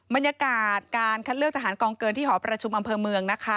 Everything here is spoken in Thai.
บรรยากาศการคัดเลือกทหารกองเกินที่หอประชุมอำเภอเมืองนะคะ